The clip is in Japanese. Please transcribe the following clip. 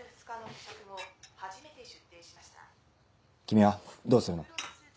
君はどうするの？